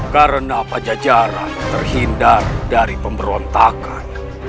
karena pajajaran terhindar dari pemberontakan